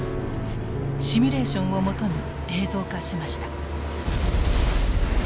シミュレーションをもとに映像化しました。